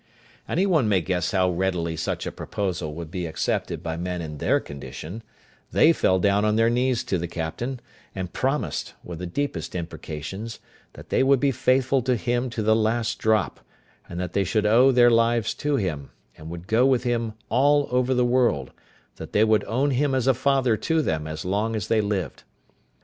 Any one may guess how readily such a proposal would be accepted by men in their condition; they fell down on their knees to the captain, and promised, with the deepest imprecations, that they would be faithful to him to the last drop, and that they should owe their lives to him, and would go with him all over the world; that they would own him as a father to them as long as they lived.